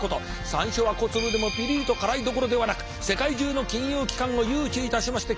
「山椒は小粒でもぴりりと辛い」どころではなく世界中の金融機関を誘致いたしまして急成長しました。